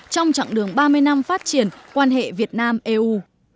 trong chặng đường ba mươi năm phát triển quan hệ việt nam eu